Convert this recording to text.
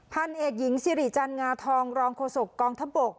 พันธุ์เอกหญิงสิริจันงาทองรองโคศกกองทบก